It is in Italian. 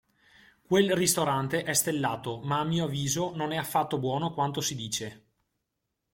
Quel ristorante è stellato, ma a mio avviso non è affatto buono quanto si dice.